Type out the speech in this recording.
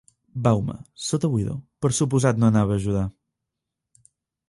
Baume, sota Wido, per suposat no anava a ajudar.